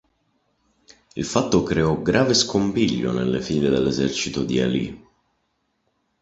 Il fatto creò grave scompiglio nelle file dell'esercito di ʿAlī.